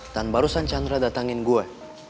dan barusan chandra datangin gue